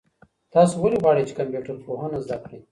تاسو ولې غواړئ چي کمپيوټر پوهنه زده کړئ؟